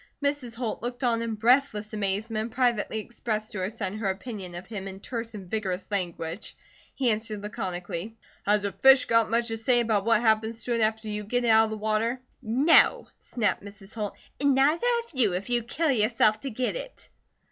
Mrs. Holt looked on in breathless amazement and privately expressed to her son her opinion of him in terse and vigorous language. He answered laconically: "Has a fish got much to say about what happens to it after you get it out of the water?" "No!" snapped Mrs. Holt, "and neither have you, if you kill yourself to get it."